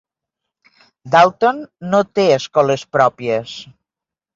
Dalton no té escoles pròpies.